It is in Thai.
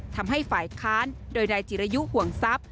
ทำให้ฝ่ายค้านโดยนายจิรยุห่วงทรัพย์